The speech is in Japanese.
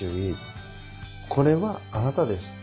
これはあなたです。